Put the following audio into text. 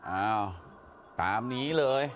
อ้าวตามนี้เลย